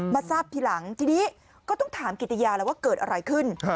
มาทราบทีหลังทีนี้ก็ต้องถามกิติยาแล้วว่าเกิดอะไรขึ้น